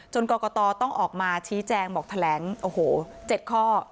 จนกรกตอต้องออกมาชี้แจงบอกแถลง๗ข้อ